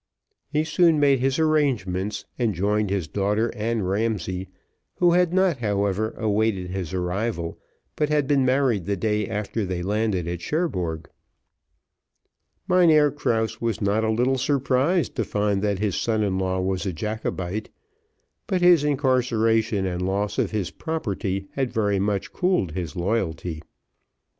He soon made his arrangements, and joined his daughter and Ramsay, who had not, however, awaited his arrival, but had been married the day after they landed at Cherbourg. Mynheer Krause was not a little surprised to find that his son in law was a Jacobite, but his incarceration and loss of his property had very much cooled his loyalty.